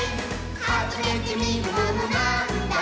「はじめてみるものなぁーんだ？」